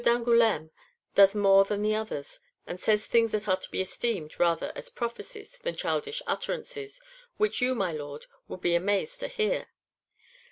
d'Angoulême does more than the others, and says things that are to be esteemed rather as prophecies than childish utterances, which you, my lord, would be amazed to hear.